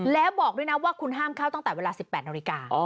แล้วบอกด้วยนะว่าคุณห้ามเข้าตั้งแต่เวลา๑๘นาฬิกา